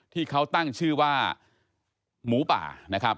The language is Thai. ที่เขาตั้งชื่อว่าหมูป่านะครับ